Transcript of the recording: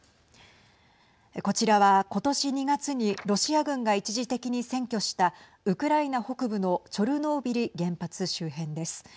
こちらは、ことし２月にロシア軍が一時的に占拠したウクライナ北部のチョルノービリ原発周辺です。